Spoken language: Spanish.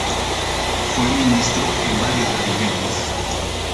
Fue ministro en varios gabinetes.